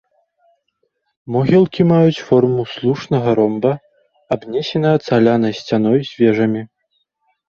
Могілкі маюць форму слушнага ромба, абнесенага цаглянай сцяной з вежамі.